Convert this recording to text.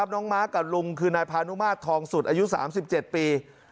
ม้ากับลุงคือนายพานุมาตรทองสุดอายุ๓๗ปี